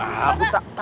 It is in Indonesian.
pak aku tak apa